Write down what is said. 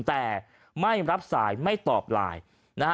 แต่ไม่รับสายไม่ตอบไลน์นะฮะ